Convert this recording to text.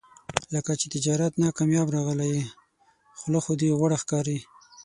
لکه چې تجارت نه کامیاب راغلی یې، خوله خو دې غوړه ښکاري.